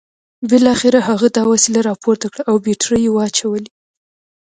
بالاخره هغه دا وسیله راپورته کړه او بیټرۍ یې واچولې